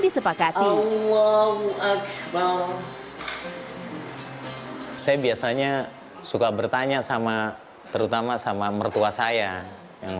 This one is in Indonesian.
disepakati allahualaikum kowe hal saya biasanya suka bertanya sama terutama sama mertua saya yang